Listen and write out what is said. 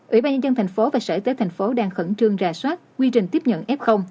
ủy ban nhân dân tp hcm và sở y tế tp hcm đang khẩn trương rà soát quy trình tiếp nhận f